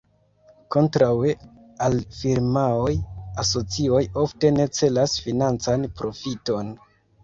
Kontraŭe al firmaoj, asocioj ofte ne celas financan profiton.